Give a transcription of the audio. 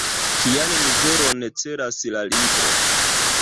Kian nivelon celas la libro?